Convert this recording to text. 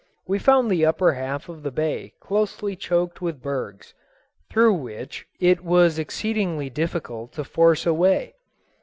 We found the upper half of the bay closely choked with bergs, through which it was exceedingly difficult to force a way.